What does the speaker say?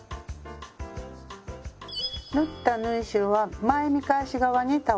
縫った縫い代は前見返し側に倒します。